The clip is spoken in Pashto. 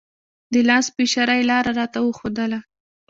د لاس په اشاره یې لاره راته وښودله.